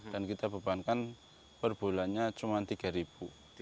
dan kita bebankan per bulannya cuma rp tiga